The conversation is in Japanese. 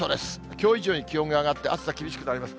きょう以上に気温が上がって、暑さ厳しくなります。